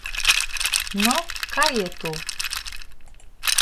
No, kaj je to?